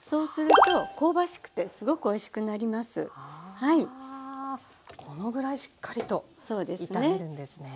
ああこのぐらいしっかりと炒めるんですね。